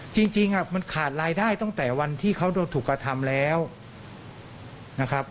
จริงมันขาดรายได้ตั้งแต่วันที่เขาโดนถูกกระทำแล้วนะครับ